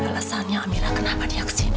itu adalah alasannya amira kenapa dia ke sini